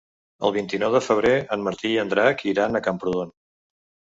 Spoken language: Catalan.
El vint-i-nou de febrer en Martí i en Drac iran a Camprodon.